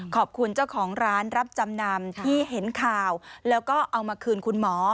ขอบคุณเจ้าของร้านรับจำนำที่เห็นข่าวแล้วก็เอามาคืนคุณหมอ